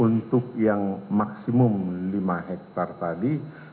untuk yang maksimum lima hektare tadi